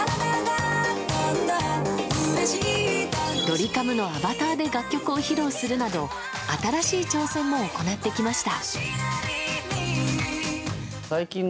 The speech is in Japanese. ドリカムのアバターで楽曲を披露するなど新しい挑戦も行ってきました。